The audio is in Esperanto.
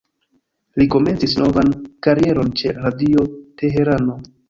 Li komencis novan karieron ĉe "Radio Teherano".